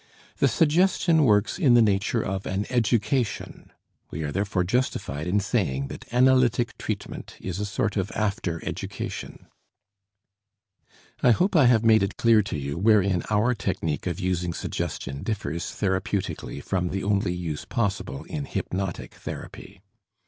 The suggestion works in the nature of an education. We are therefore justified in saying that analytic treatment is a sort of after education. I hope I have made it clear to you wherein our technique of using suggestion differs therapeutically from the only use possible in hypnotic therapy.